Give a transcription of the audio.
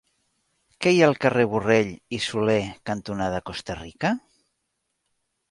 Què hi ha al carrer Borrell i Soler cantonada Costa Rica?